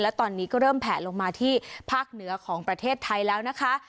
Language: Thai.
และตอนนี้ก็เริ่มแผลลงมาที่ภาคเหนือของประเทศไทยแล้วนะคะ